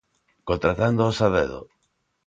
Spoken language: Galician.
¿Contratándoos a dedo?